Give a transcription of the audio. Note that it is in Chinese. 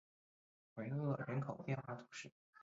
维厄人口变化图示